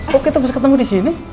kok kita pas ketemu disini